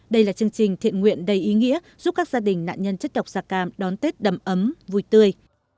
đây là chương trình thiện nguyện đầy ý nghĩa giúp các gia đình nạn nhân chất độc da cam đón tết đầm ấm vui tươi